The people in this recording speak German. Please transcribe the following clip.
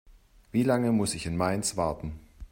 Wie lange muss ich in Mainz warten?